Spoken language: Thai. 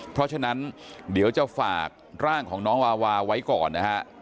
เพราะฉะนั้นเดี๋ยวจะฝากร่างของน้องวาวาไว้ก่อนนะฮะ